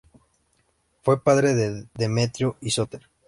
Fue padre de Demetrio I Sóter.